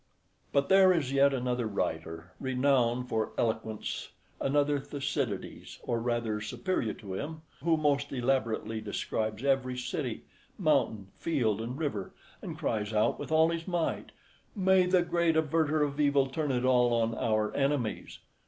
But there is yet another writer, renowned for eloquence, another Thucydides, or rather superior to him, who most elaborately describes every city, mountain, field, and river, and cries out with all his might, "May the great averter of evil turn it all on our enemies!"